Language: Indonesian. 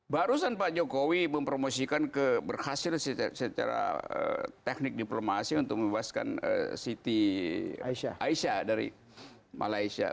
barusan pak jokowi mempromosikan berhasil secara teknik diplomasi untuk membebaskan siti aisyah dari malaysia